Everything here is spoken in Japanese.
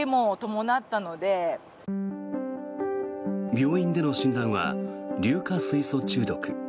病院での診断は硫化水素中毒。